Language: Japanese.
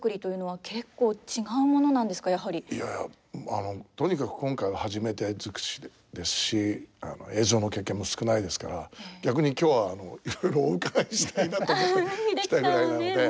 いやあのとにかく今回は初めて尽くしですし映像の経験も少ないですから逆に今日はいろいろお伺いしたいなと思って来たぐらいなので。